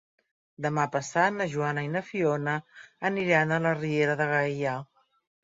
Demà passat na Joana i na Fiona aniran a la Riera de Gaià.